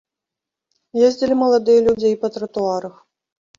Ездзілі маладыя людзі і па тратуарах.